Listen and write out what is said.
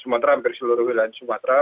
sementara hampir seluruh wilayah sumatera